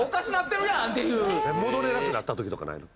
戻れなくなった時とかないの？